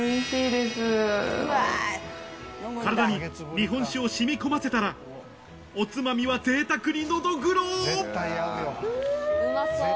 体に日本酒を染み込ませたらおつまみはぜいたくにのどぐろうん！